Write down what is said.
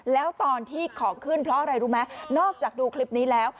แล้วตอนที่ของขึ้นเพราะอะไรรู้ไหมนอกจากดูคลิปนี้แล้ว